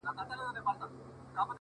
هغې په نيمه شپه ډېـــــوې بلــــي كړې’